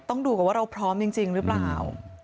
ต้องดูก่อนว่าเราพร้อมจริงหรือเปล่า